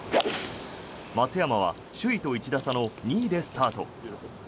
松山は首位と１打差の２位でスタート。